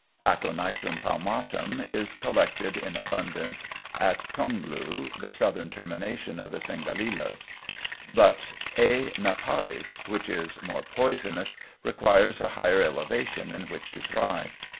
Aconitum palmatum is collected in abundance at Tongloo, the southern termination of the Singalilas; but A. napellus, which is more poisonous, requires a higher elevation in which to thrive.